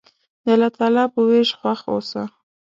د الله تعالی په ویش خوښ اوسه.